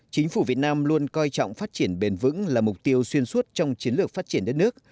chính phủ việt nam luôn coi trọng phát triển bền vững là mục tiêu xuyên suốt trong chiến lược phát triển đất nước